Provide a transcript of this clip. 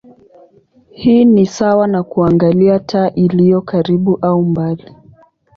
Hii ni sawa na kuangalia taa iliyo karibu au mbali.